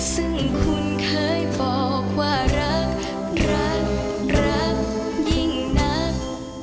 ซึ่งคุณเคยบอกว่ารักรักรักยิ่งนัก